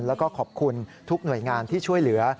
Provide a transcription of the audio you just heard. แล้วก็ขอบคุณทุกหน่วยงานที่ช่วยเหลือ